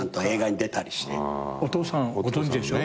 お父さんご存じでしょ？